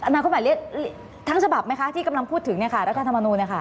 นาคตใหม่เรียกทั้งฉบับไหมคะที่กำลังพูดถึงรัฐธรรมนูล